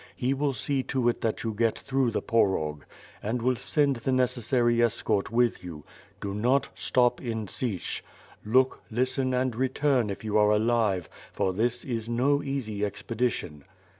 He will see to it that you get through the Porog and will send the necessary escort with you. Do not stop in Sich. Ix)ok, listen, and return, if you are alive; for this is no easy expedition."